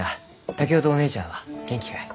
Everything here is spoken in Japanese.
竹雄とお姉ちゃんは元気かえ？